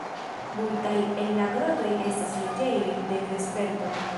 Multaj el la grotoj estas loĝejoj de vespertoj.